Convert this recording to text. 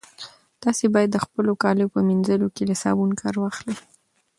تاسي باید د خپلو کاليو په مینځلو کې له صابون کار واخلئ.